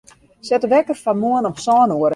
Set de wekker foar moarn om sân oere.